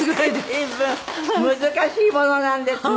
随分難しいものなんですね。